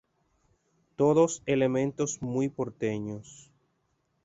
Todos elementos muy porteños.